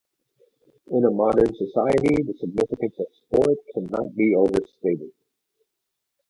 In a modern society, the significance of sport cannot be overstated.